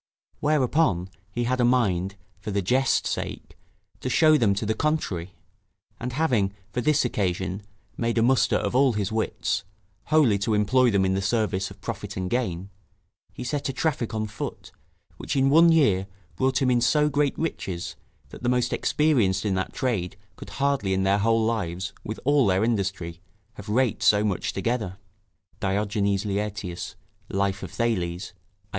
Whereupon, he had a mind, for the jest's sake, to show them to the contrary; and having, for this occasion, made a muster of all his wits, wholly to employ them in the service of profit and gain, he set a traffic on foot, which in one year brought him in so great riches, that the most experienced in that trade could hardly in their whole lives, with all their industry, have raked so much together. [Diogenes Laertius, Life of Thales, i.